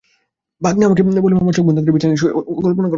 ভাগনে আমাকে বলে মামা চোখ বন্ধ করে বিছানায় শুয়ে আছেন কল্পনা করেন।